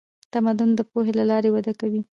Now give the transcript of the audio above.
تمدن د پوهې له لارې وده کوي.